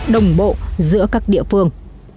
đồng bộ giữa các địa phương